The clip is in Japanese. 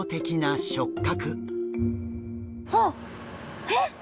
あっえっ！？